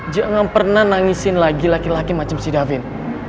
jangan pernah nangisin lagi laki laki macam si davin